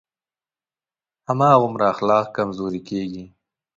هماغومره اخلاق کمزوری کېږي.